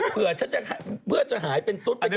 เผื่อจะหายเป็นตุ๊กไปกับเธอ